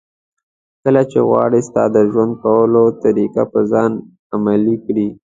کله چې غواړي ستا د ژوند کولو طریقه په ځان عملي کړي.